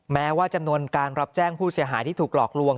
แม้ว่าจำนวนการรับแจ้งผู้เสียหายที่ถูกหลอกลวง